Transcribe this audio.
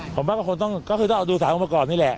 ผมว่าคนต้องก็คือต้องเอาดู๓องค์ประกอบนี่แหละ